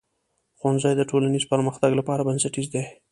ښوونځی د ټولنیز پرمختګ لپاره بنسټیز دی.